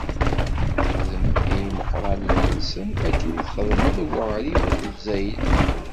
Xdem i yimeqqranen-nsen akken i txedmeḍ i Ɛurib akked Zayb.